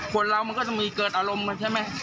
คนเรามันก็จะมีเกิดอารมณ์ใช่ไหม